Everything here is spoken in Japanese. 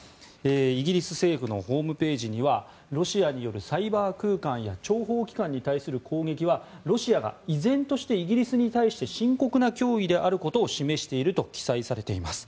イギリス政府のホームページにはロシアによるサイバー空間や諜報機関に対する攻撃はロシアが依然としてイギリスに対して深刻な脅威であることを示していると記載されています。